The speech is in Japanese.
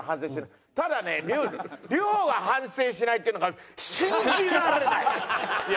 ただね亮亮が反省しないっていうのが信じられない！